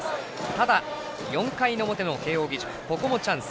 ただ、４回の表の慶応義塾ここもチャンス。